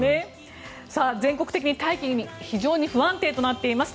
全国的に大気非常に不安定となっています。